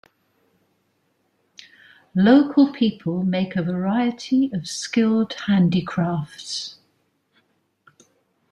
Local people make a variety of skilled handicrafts.